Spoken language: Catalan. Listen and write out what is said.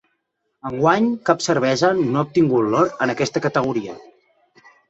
Enguany cap cervesa no ha obtingut l’or en aquesta categoria.